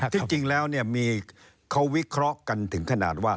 ที่จริงมีความวิเคราะห์กันถึงขนาดว่า